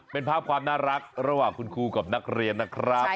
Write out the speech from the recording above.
เป็นภาพความน่ารักระหว่างคุณครูกับนักเรียนนะครับ